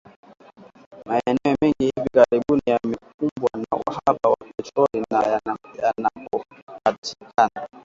Maeneo mengi hivi karibuni yamekumbwa na uhaba wa petroli na yanapopatikana